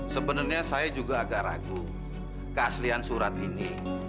sebenarnya saya juga agak ragu keaslian surat ini